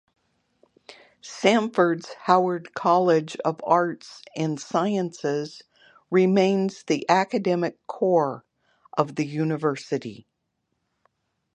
Samford's Howard College of Arts and Sciences remains the academic core of the university.